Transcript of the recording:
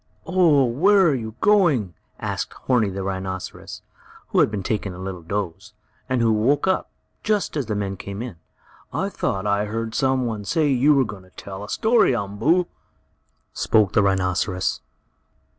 "Oh, where are you going?" asked Horni, the rhinoceros, who had been taking a little doze, and who woke up, just as the men came in. "I thought I heard some one say you were going to tell a story, Umboo," spoke the rhinoceros.